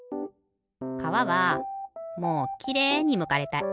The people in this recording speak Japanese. かわはもうきれいにむかれたい。